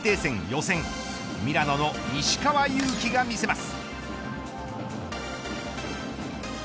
予選ミラノの石川祐希が見せます。